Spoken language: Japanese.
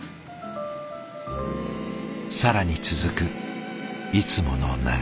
更に続くいつもの流れ。